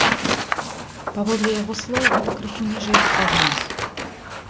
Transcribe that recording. Паводле яго слоў, гэта крыху ніжэй за прагноз.